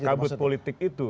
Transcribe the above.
kabut politik itu